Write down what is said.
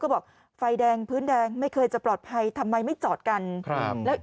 ก็บอกไฟแดงพื้นแดงไม่เคยจะปลอดภัยทำไมไม่จอดกันครับแล้ว